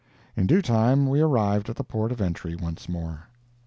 In due time we arrived at the port of entry once more.